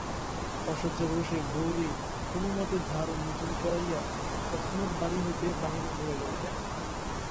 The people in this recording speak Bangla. অসহ্য রোষে গৌরী কোনোমতে দ্বার উন্মোচন করাইয়া তৎক্ষণাৎ বাড়ি হইতে বাহির হইয়া গেল।